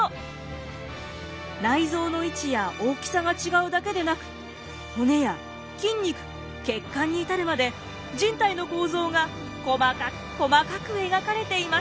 内臓の位置や大きさが違うだけでなく骨や筋肉血管に至るまで人体の構造が細かく細かく描かれていました。